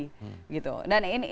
kalau kita mau ke titik nol lagi